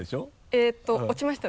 えっと落ちました